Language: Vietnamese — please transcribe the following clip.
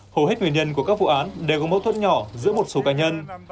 hầu hết nguyên nhân của các vụ án đều có mâu thuẫn nhỏ giữa một số cá nhân